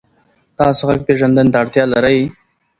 تاسو غږ پېژندنې ته اړتیا لرئ.